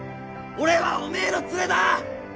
俺はおめえのツレだ！